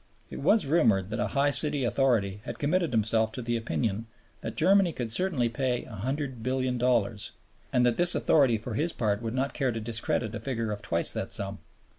It was rumored that a high city authority had committed himself to the opinion that Germany could certainly pay $100,000,000,000 and that this authority for his part would not care to discredit a figure of twice that sum.